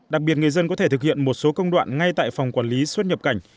đặc biệt người dân có thể thực hiện một số công đoạn ngay tại phòng quản lý xuất nhập cảnh